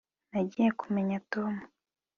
nagiye kumenya tom